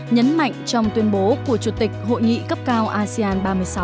nhấn mạnh trong tuyên bố của chủ tịch hội nghị cấp cao asean ba mươi sáu